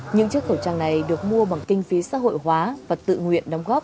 những chiếc khẩu trang này được mua bằng kinh phí xã hội hóa và tự nguyện đóng góp